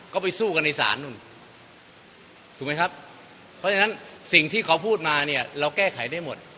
ก็ไปสู้กันในศาลนู่นถูกไหมครับเพราะฉะนั้นสิ่งที่เขาพูดมาเนี่ยเราแก้ไขได้หมด